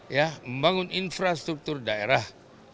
ya membangun infrastruktur daerah